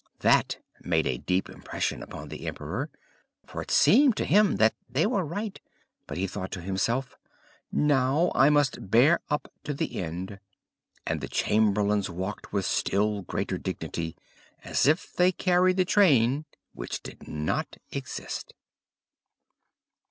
That made a deep impression upon the emperor, for it seemed to him that they were right; but he thought to himself, "Now I must bear up to the end." And the chamberlains walked with still greater dignity, as if they carried the train which did not exist.